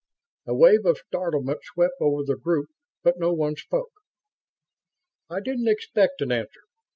A wave of startlement swept over the group, but no one spoke. "I didn't expect an answer.